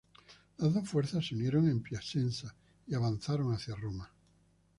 Las dos fuerzas se unieron en Piacenza y avanzaron hacia Roma.